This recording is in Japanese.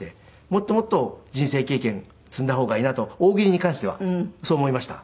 もっともっと人生経験積んだ方がいいなと大喜利に関してはそう思いました。